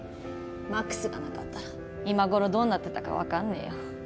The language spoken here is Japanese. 魔苦須がなかったら今ごろどうなってたか分かんねえよ。